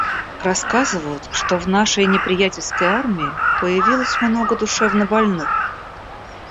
Рассказывают, что в нашей и неприятельской армии появилось много душевнобольных.